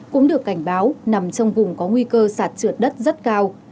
cũng được cảnh báo nằm trong vùng có nguy cơ sạt trượt đất rất cao